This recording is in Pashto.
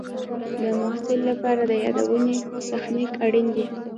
د محصل لپاره د یادونې تخنیک اړین دی.